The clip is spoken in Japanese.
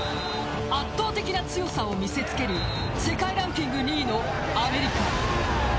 圧倒的な強さを見せ付ける世界ランキング２位のアメリカ。